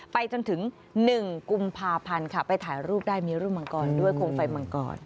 ไปจนถึง๑กุมภาพันธ์ค่ะไปถ่ายรูปได้มีรูปมังกรด้วยโคมไฟมังกร